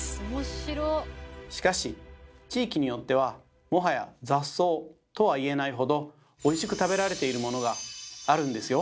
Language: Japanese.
しかし地域によってはもはや雑草とは言えないほどおいしく食べられているものがあるんですよ。